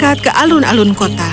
kedatangan alun alun kota